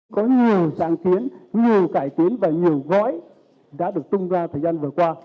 có nhiều sáng kiến nhiều cải tiến và nhiều gói đã được tung ra thời gian vừa qua